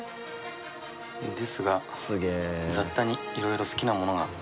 ですが雑多にいろいろ好きなものが混ざってますね。